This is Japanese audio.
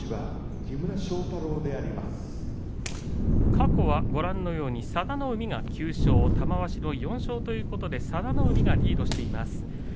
過去は佐田の海９勝、玉鷲４勝ということで佐田の海がリードしています。